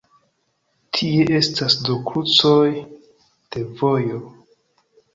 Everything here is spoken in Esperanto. Tie estas du krucoj de vojo.